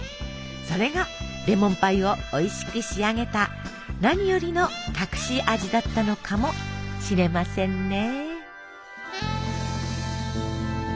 それがレモンパイをおいしく仕上げた何よりの隠し味だったのかもしれませんね。